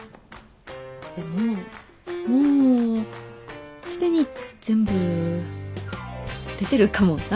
でももうすでに全部出てるかもな。